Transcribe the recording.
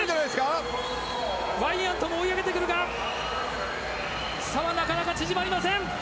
ワイヤントも追い上げてくるが差はなかなか縮まりません。